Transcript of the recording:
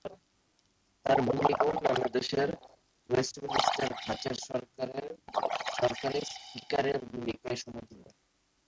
তার ভূমিকা অন্যান্য দেশের ওয়েস্টমিনস্টার ধাঁচের সরকারে স্পিকারের ভূমিকার সমতুল্য।